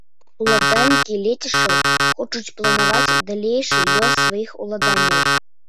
Уладальнікі лецішчаў хочуць планаваць далейшы лёс сваіх уладанняў.